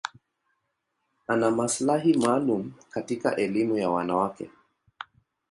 Ana maslahi maalum katika elimu ya wanawake.